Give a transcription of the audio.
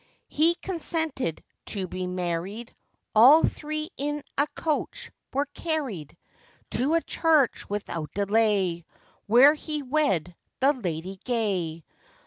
He consented to be married; All three in a coach were carried To a church without delay, Where he weds the lady gay.